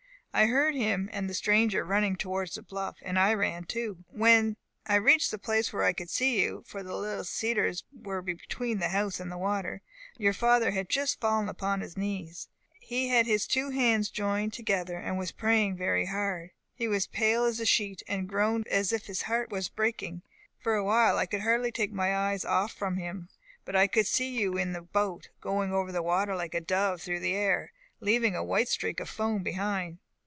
I heard him and the stranger running towards the bluff, and I ran too. When I reached a place where I could see you (for the little cedars were between the house and the water), your father had just fallen upon his knees. He had his two hands joined together, and was praying very hard; he was pale as a sheet, and groaned as if his heart was breaking. For a while I could hardly take my eyes off from him; but I could see you in the boat, going over the water like a dove through the air, leaving a white streak of foam behind.